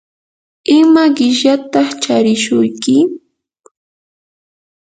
¿ima qishyataq charishuruyki?